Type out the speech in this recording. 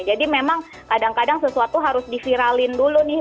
jadi memang kadang kadang sesuatu harus diviralin dulu nih